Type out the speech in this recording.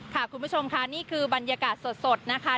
คุณผู้ชมค่ะนี่คือบรรยากาศสดนะคะ